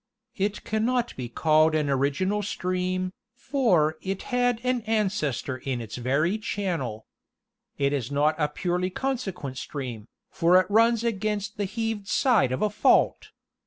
It cannot be called an original stream, for it had an ancestor in its very channel. It is not a purely consequent stream, for it runs against the heaved side of a fault.